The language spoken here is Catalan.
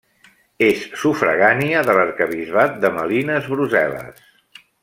És sufragània de l'arquebisbat de Malines-Brussel·les.